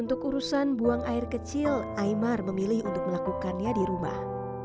untuk urusan buang air kecil aymar memilih untuk melakukannya di rumah